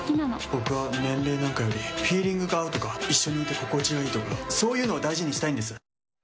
僕は年齢なんかよりフィーリングが合うとか一緒にいて心地がいいとかそういうのを大事にしたいんです。